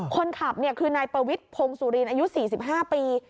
คนขับคือในประวิษฐ์พงศ์สูรีนอายุ๔๕ปี